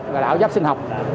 gọi là áo giáp sinh học